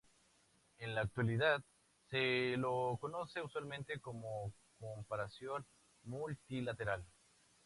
En la actualidad se lo conoce usualmente como comparación multilateral.